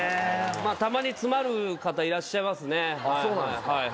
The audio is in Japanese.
たまに詰まる方、いらっしゃいまそうなんですか。